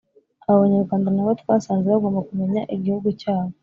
abo banyarwanda na bo twasanze bagomba kumenya igihugu cyabo,